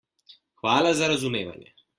Hvala za razumevanje.